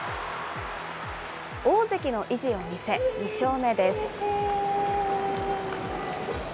大関の意地を見せ、２勝目です。